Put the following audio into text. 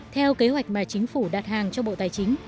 theo kế hoạch mà chính phủ đặt hàng cho bộ tài chính